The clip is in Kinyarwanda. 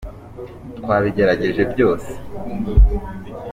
twabigerageje byose.